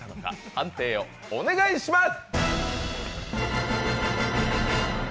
判定をお願いします。